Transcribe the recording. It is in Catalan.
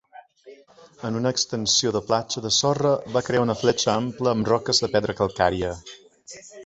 En una extensió de platja de sorra va crear una fletxa ampla amb roques de pedra calcària.